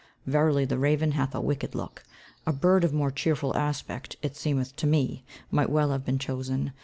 "Verily the raven hath a wicked look. A bird of more cheerful aspect, it seemeth to me, might well have been chosen.